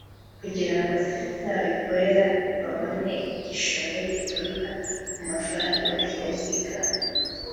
kugira ngo n’abikorera babone igishoro gituruka mu mafaranga yazigamwe